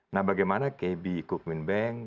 nah bagaimana kb kukmin bank